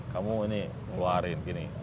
kamu ini keluarin gini